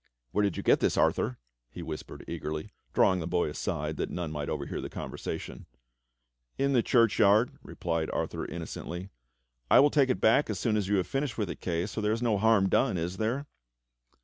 "Where did you get this, Arthur.?*" he whispered eagerly, drawing the boy aside that none might overhear the conversation. "In the churchyard," replied Arthur innocently. "I will take it back as soon as you have finished with it, Kay, so there is no harm done, is there.?